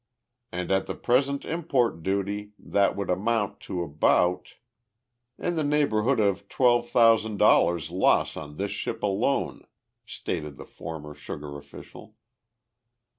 "And at the present import duty that would amount to about " "In the neighborhood of twelve thousand dollars loss on this ship alone," stated the former sugar official.